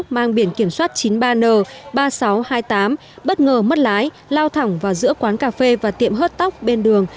mang biển kiểm soát chín mươi ba n ba nghìn sáu trăm hai mươi tám bất ngờ mất lái lao thẳng vào giữa quán cà phê và tiệm hớt tóc bên đường